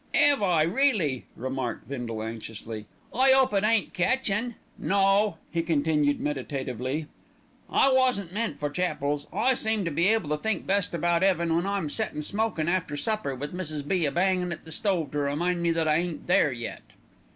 "'Ave I really?" enquired Bindle anxiously. "I 'ope it ain't catchin'. No," he continued meditatively, "I wasn't meant for chapels. I seem to be able to think best about 'eaven when I'm settin' smokin' after supper, with Mrs. B. a bangin' at the stove to remind me that I ain't there yet."